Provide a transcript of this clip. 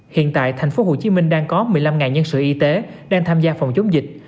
hiện tại thành phố hồ chí minh đang có một mươi năm nhân sự y tế đang tham gia phòng chống dịch